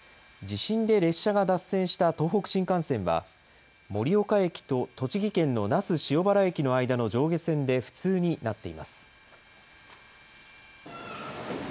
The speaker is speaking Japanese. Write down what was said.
地震で列車が脱線した東北新幹線は、盛岡駅と栃木県の那須塩原駅の間の上下線で不通になっています。